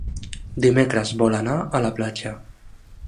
Dimecres vol anar a la platja.